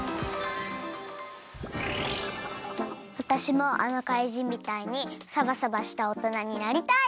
わたしもあのかいじんみたいにサバサバしたおとなになりたい。